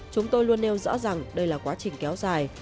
chúng tôi luôn nêu rõ rằng đây là quá trình kéo dài